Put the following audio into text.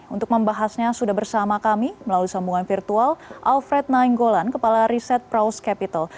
untuk membahasnya sudah bersama kami melalui sambungan virtual alfred nainggolan kepala riset praus capital